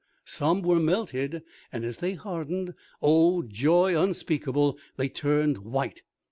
some were melted, and as they hardened, oh, joy unspeakable, they turned white!